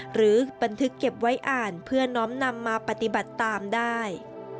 หรือบันทึกเก็บไว้อ่านเพื่อน้อมนำมาปฏิบัติตามได้